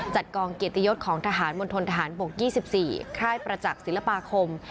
กองเกียรติยศของทหารมณฑนทหารบก๒๔ค่ายประจักษ์ศิลปาคม